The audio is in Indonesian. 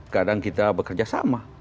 kadang kita bekerja sama